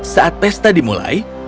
saat pesta dimulai